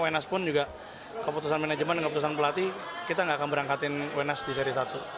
walaupun juga keputusan manajemen keputusan pelatih kita nggak akan berangkatin wenas di seri satu